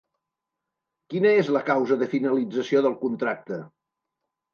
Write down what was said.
Quina és la causa de finalització del contracte?